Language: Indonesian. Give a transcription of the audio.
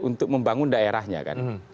untuk membangun daerahnya kan